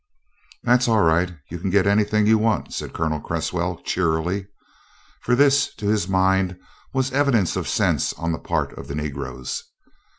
"That's all right; you can get anything you want," said Colonel Cresswell cheerily, for this to his mind was evidence of sense on the part of the Negroes.